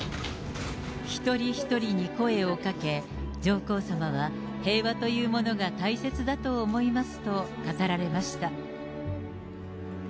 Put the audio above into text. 一人一人に声をかけ、上皇さまは、平和というものが大切だと思いますと語られました。